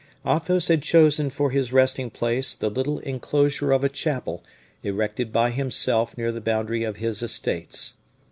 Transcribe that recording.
Athos had chosen for his resting place the little inclosure of a chapel erected by himself near the boundary of his estates.